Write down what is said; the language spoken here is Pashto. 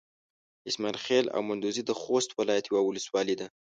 اسماعيل خېل او مندوزي د خوست ولايت يوه ولسوالي ده.